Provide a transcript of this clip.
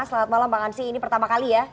selamat malam bang ansyi ini pertama kali ya